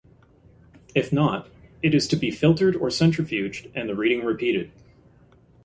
If not, it is to be filtered or centrifuged and the reading repeated.